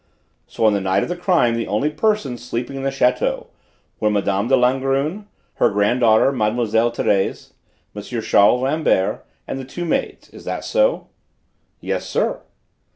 "So, on the night of the crime the only persons sleeping in the château were Mme. de Langrune, her granddaughter Mlle. Thérèse, M. Charles Rambert and the two maids. Is that so?" "Yes, sir."